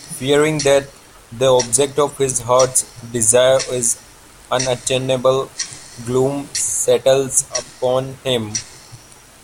Fearing that the object of his heart's desire is unattainable, gloom settles upon him.